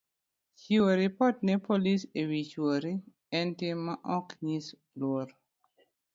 Chiwo ripot ne polis e wi chwori en tim ma ok nyis luor